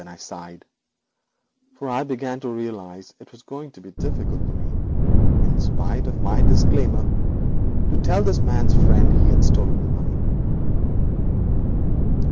I sighed, for I began to realise it was going to be very difficult for me, in spite of my disclaimer, to tell this man's friend he had stolen the money.